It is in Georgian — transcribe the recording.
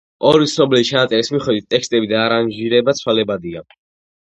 ორი ცნობილი ჩანაწერის მიხედვით ტექსტები და არანჟირება ცვალებადია.